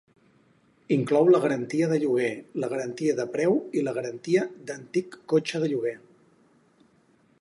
Inclou la garantia de lloguer, la garantia de preu i la garantia d'antic cotxe de lloguer.